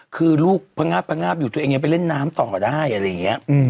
คือลูกพังงาบอยู่ตัวเองยังไปเล่นน้ำต่อได้